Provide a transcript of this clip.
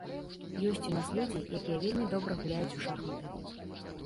Ёсць у нас людзі, які вельмі добра гуляюць у шахматы.